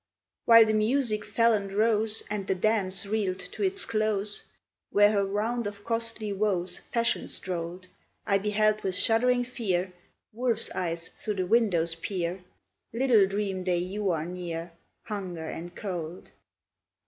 While the music fell and rose, And the dance reeled to its close, Where her round of costly woes Fashion strolled, I beheld with shuddering fear Wolves' eyes through the windows peer; Little dream they you are near, Hunger and Cold!